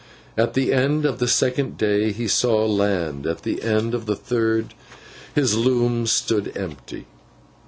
At the end of the second day, he saw land; at the end of the third, his loom stood empty.